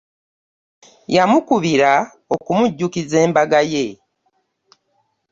Yamukubira okumujjukiza embagaye.